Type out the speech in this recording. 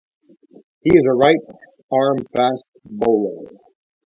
He is a right arm fast bowler.